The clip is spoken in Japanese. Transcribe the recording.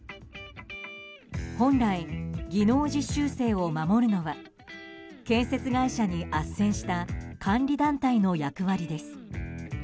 本来、技能実習生を守るのは建設会社にあっせんした管理団体の役割です。